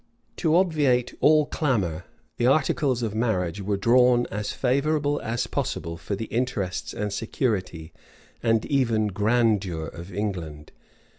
To obviate all clamor, the articles of marriage were drawn as favorable as possible for the interests and security, and even grandeur of England.